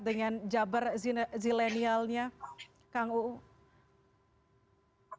dengan jabar zilenialnya kang uu